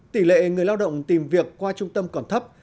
tỷ lệ người lao động tìm việc qua trung tâm còn thấp